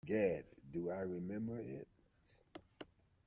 Gad, do I remember it.